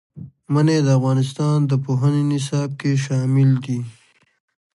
منی د افغانستان د پوهنې نصاب کې شامل دي.